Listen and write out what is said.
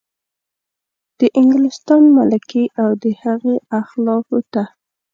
د انګلستان ملکې او د هغې اخلافو ته.